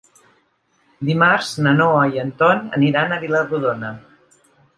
Dimarts na Noa i en Ton aniran a Vila-rodona.